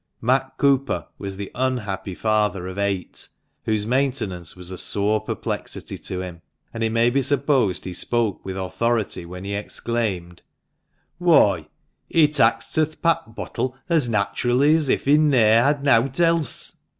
Matt Cooper was the wwhappy father of eight, whose maintenance was a sore perplexity to him ; and it may be supposed he spoke with authority when he exclaimed — "Whoy, he tak's t' th' pap bottle as nat'rally as if he'n ne'er had nowt else